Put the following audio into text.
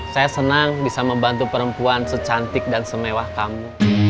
saya senang bisa membantu perempuan secantik dan semewah kamu